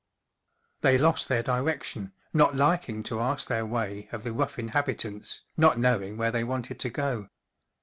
They lost their direction, not lik¬ ing to ask their way of the rough inhabitants, not knowing where they wanted to go.